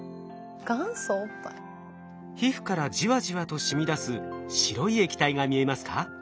皮膚からじわじわと染み出す白い液体が見えますか？